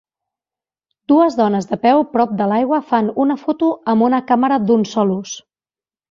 Dues dones de peu prop de l'aigua fan una foto amb una càmera d'un sol ús.